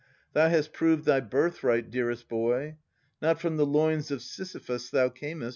Thou hast proved thy birthright, dearest boy. Not from the loins of Sis3rphus thou earnest.